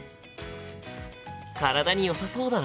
体によさそうだな。